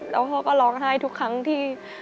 แล้วพ่อก็ร้องไห้ทุกครั้งที่